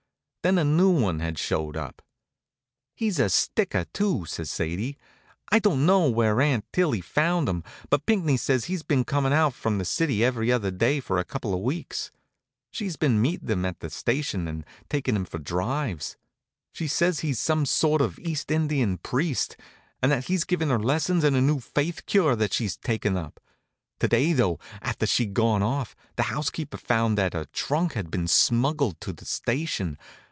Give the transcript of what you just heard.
Then a new one had showed up. "He's a sticker, too," says Sadie. "I don't know where Aunt Tillie found him, but Pinckney says he's been coming out from the city every other day for a couple of weeks. She's been meeting him at the station and taking him for drives. She says he's some sort of an East Indian priest, and that he's giving her lessons in a new faith cure that she's taking up. To day, though, after she'd gone off, the housekeeper found that her trunk had been smuggled to the station.